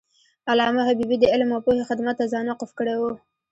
علامه حبیبي د علم او پوهې خدمت ته ځان وقف کړی و.